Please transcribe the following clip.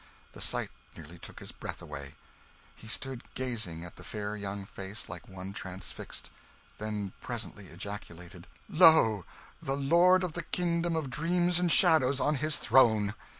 The sight nearly took his breath away! He stood gazing at the fair young face like one transfixed; then presently ejaculated "Lo, the Lord of the Kingdom of Dreams and Shadows on his throne!"